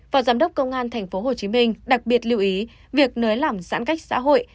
và giám đốc công an tp hcm đặc biệt lưu ý việc nới lỏng giãn cách xã hội